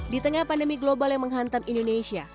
di tengah pandemi global yang menghantam indonesia